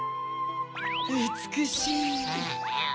うつくしい！